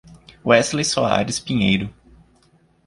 Wesley Soares Pinheiro